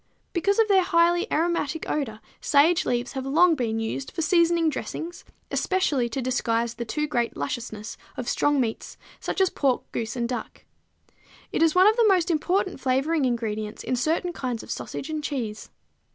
_ Because of their highly aromatic odor sage leaves have long been used for seasoning dressings, especially to disguise the too great lusciousness of strong meats, such as pork, goose and duck. It is one of the most important flavoring ingredients in certain kinds of sausage and cheese.